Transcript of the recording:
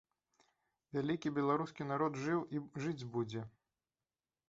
Вялікі беларускі народ жыў і жыць будзе.